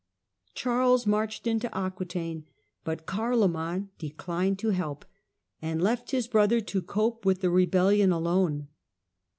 Charles marched into Aquetaine, but Carloman declined to help and left his brother to cope with the rebellion alone.